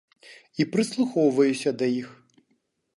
І прыслухоўваюся да іх.